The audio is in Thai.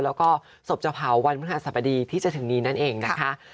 แล้วก็ศพจะเผาวันพฤหัสบดีที่จะถึงนี้นั่นเองนะคะ